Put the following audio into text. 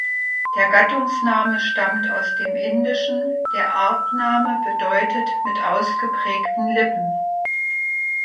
Der Gattungsname stammt aus den Indischen, der Artname bedeutet: mit ausgeprägten Lippen.